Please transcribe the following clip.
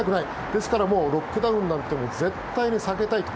ですから、ロックダウンなんて絶対に避けたいと。